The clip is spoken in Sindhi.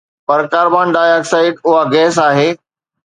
پر ڪاربان ڊاءِ آڪسائيڊ اها گئس آهي